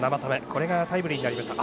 これがタイムリーになりました。